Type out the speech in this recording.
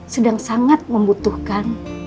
sedang sangat membutuhkan